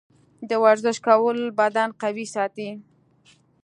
د ورزش کول بدن قوي ساتي.